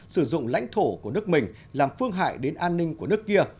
sử dụng lãnh thổ của nước mình làm phương hại đến an ninh của nước kia